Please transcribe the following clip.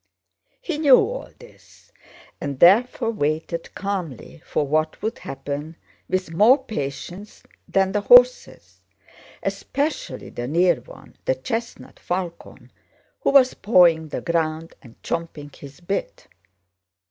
He knew all this and therefore waited calmly for what would happen, with more patience than the horses, especially the near one, the chestnut Falcon, who was pawing the ground and champing his bit.